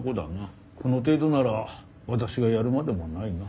この程度なら私がやるまでもないな。